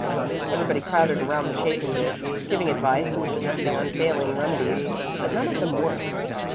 Everybody crowded around the chafing dish, giving advice and suggesting unfailing remedies. But none of them worked.